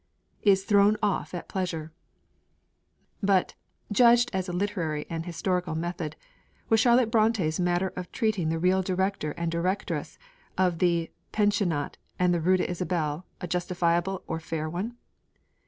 'is thrown off at pleasure.' But, judged as a literary and historical method, was Charlotte Brontë's manner of treating the real Director and Directress of the Pensionnat in the Rue d'Isabelle a justifiable or fair one?